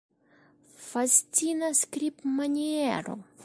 Fascina skribmaniero!